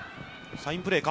サインプレーか。